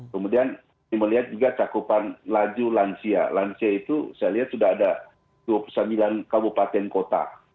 kemudian melihat juga cakupan laju lansia lansia itu saya lihat sudah ada dua puluh sembilan kabupaten kota